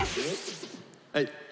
はい。